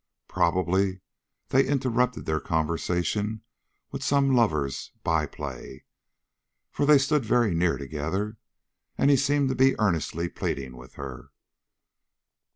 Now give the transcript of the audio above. Probably they interrupted their conversation with some lovers' by play, for they stood very near together, and he seemed to be earnestly pleading with her.